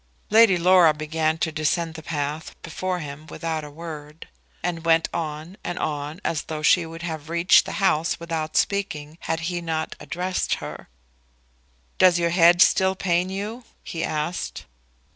Lady Laura began to descend the path before him without a word; and went on, and on, as though she would have reached the house without speaking, had he not addressed her. "Does your head still pain you?" he asked.